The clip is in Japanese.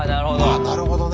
あっなるほどね。